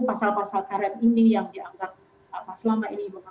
pasal pasal karet ini yang dianggap selama ini berlaku